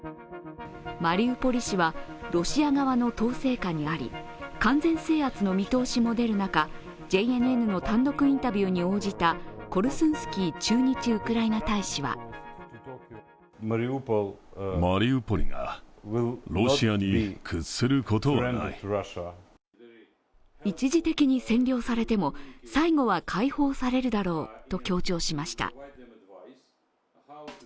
マリウポリ市はロシア側の統制下にあり、完全制圧の見通しも出る中、ＪＮＮの単独インタビューに応じたコルスンスキー駐日ウクライナ大使は一時的に占領されても最後は解放されるだろうと強調しました。